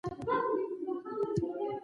په ښيښه کې خوځنده شکلونه پيدا شول.